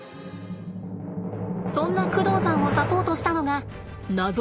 そんな工藤さんをサポートしたのが謎の２人組。